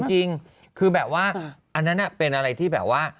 จริงคือแบบว่าอันนั้นเป็นอะไรที่แบบว่า